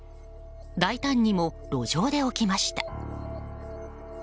大胆にも路上で起きました。